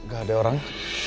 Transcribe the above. gak ada orang